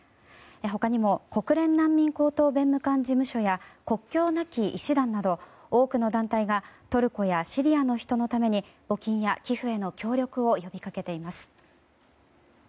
他にも国連難民高等弁務官事務所や国境なき医師団など多くの団体がトルコやシリアの人のために募金や寄付への協力を呼び掛けています。